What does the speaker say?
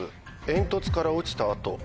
煙突から落ちた後」。